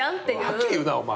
はっきり言うなお前。